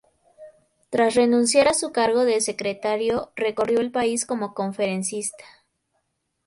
Tras renunciar a su cargo de Secretario recorrió el país como conferencista.